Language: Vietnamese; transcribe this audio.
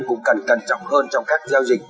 cũng cần cẩn trọng hơn trong các giao dịch